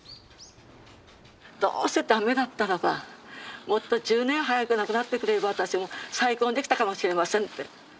どうせダメだったらばもっと１０年早く亡くなってくれれば私も再婚できたかもしれませんって。